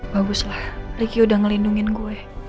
baguslah ricky udah ngelindungin gue